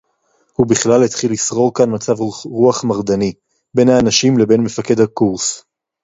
וּבַכְּלָל הִתְחִיל לִשְׂרוֹר כָּאן מַצַב רוּחַ מרדני בֵּין הָאֲנָשִים לְבֵין מְפַקֵד הַקוּרְס.